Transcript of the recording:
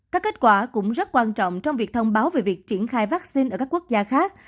các kết quả cũng rất quan trọng trong việc thông báo về việc triển khai vaccine ở các quốc gia khác